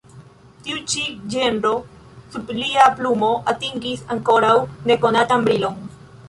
Tiu ĉi ĝenro sub lia plumo atingis ankoraŭ ne konatan brilon.